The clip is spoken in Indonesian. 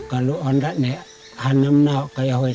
ketua ju durch anami